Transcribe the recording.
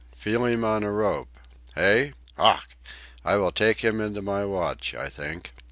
Feel him on a rope. Hey? Ough! I will take him into my watch, I think."